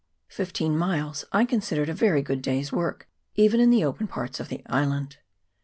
Fifteen miles I considered a very good day's work, even in the open parts of the island.